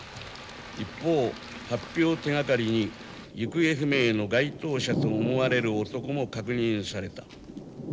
一方法被を手がかりに行方不明の該当者と思われる男も確認された。